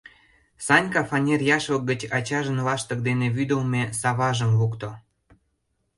Санька фанер яшлык гыч ачажын лаштык дене вӱдылмӧ саважым лукто.